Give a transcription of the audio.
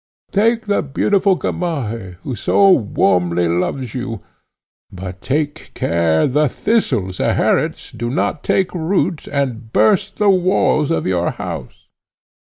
Take the beautiful Gamaheh, who so warmly loves you; but take care the Thistle, Zeherit, do not take root, and burst the walls of your house."